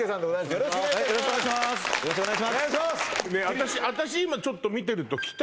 よろしくお願いしますねえ